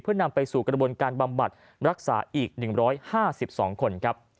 เพื่อนำไปสู่กระบวนการบำบัดรักษาอีก๑๕๒คนครับ